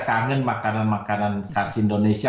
kangen makanan makanan khas indonesia